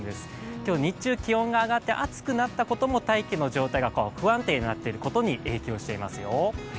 今日日中、気温が上がって暑くなったことも大気の状態が不安定になっていることに影響していますよ。